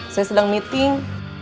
saya sedang meeting